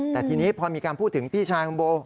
แต่ทีนี้พอมีการพูดถึงพี่ชายของโบ